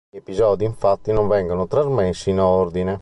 Gli episodi infatti non vengono trasmessi in ordine.